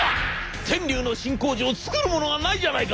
天竜の新工場作るものがないじゃないか！